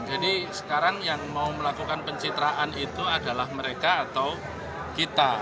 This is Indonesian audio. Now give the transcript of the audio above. jadi sekarang yang mau melakukan pencitraan itu adalah mereka atau kita